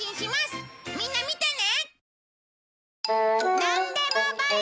みんな見てね！